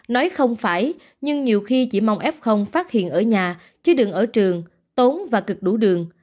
nói không phải nhưng nhiều khi chỉ mong f phát hiện ở nhà chứ đừng ở trường tốn và cực đủ đường